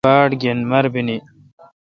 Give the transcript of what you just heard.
تی مہ رل باڑ گین مربینی۔